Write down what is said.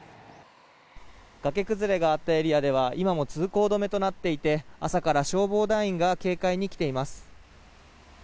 崖崩れがあったエリアでは今も通行止めとなっていて朝から消防団員が警戒に来ています。